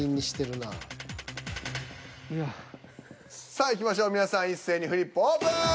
さあいきましょう皆さん一斉にフリップオープン。